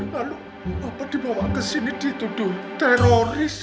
lalu apa dibawa ke sini dituduh teroris